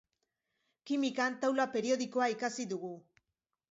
Kimikan taula periodikoa ikasi dugu.